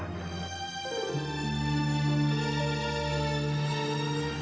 saya bawa adiknya ke bilik